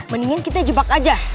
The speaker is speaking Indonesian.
mendingan kita jebak aja